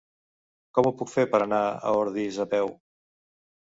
Com ho puc fer per anar a Ordis a peu?